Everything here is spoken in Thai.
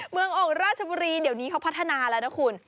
เมืองโอ่งราชบุรีเดี๋ยวนี้เขาพัฒนาแล้วนะคุณ